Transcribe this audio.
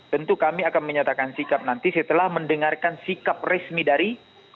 tentu kami akan menyatakan sikap nanti setelah mendengarkan sikap resmi dari